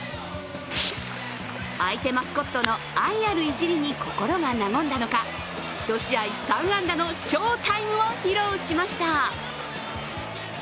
相手マスコットの愛あるいじりに心が和んだのか１試合３安打の翔タイムを披露しました。